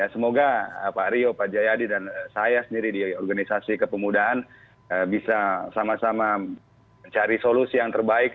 semoga pak rio pak jayadi dan saya sendiri di organisasi kepemudaan bisa sama sama mencari solusi yang terbaik